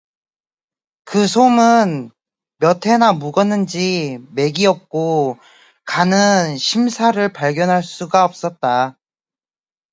그 솜은 몇 해나 묵었는지 맥이 없고 가는 심사를 발견할 수가 없었다.